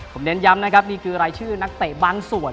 ผมเน้นย้ำนะครับนี่คือรายชื่อนักเตะบางส่วน